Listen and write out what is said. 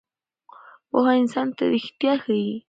پوهه انسان ته ریښتیا ښیي.